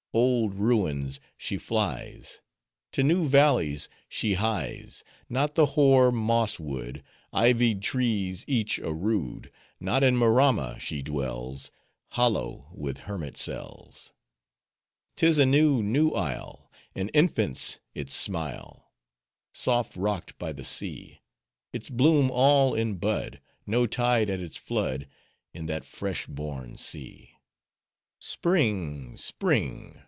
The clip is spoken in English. Old ruins she flies: To new valleys she hies:— Not the hoar, moss wood, Ivied trees each a rood— Not in Maramma she dwells, Hollow with hermit cells. 'Tis a new, new isle! An infant's its smile, Soft rocked by the sea. Its bloom all in bud; No tide at its flood, In that fresh born sea! Spring! Spring!